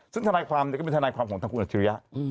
ซึ่งทนายความก็เป็นทนายความของทางคุณอัจฉริยะ